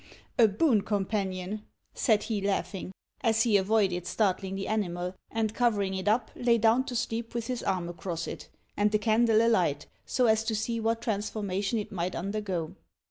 "A boon companion," said he, laughing, as he avoided startling the animal, and covering it up, lay down to sleep with his arm across it, and the candle alight so as to see what transformation it might undergo.